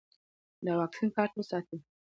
د واکسین کارت وساتئ.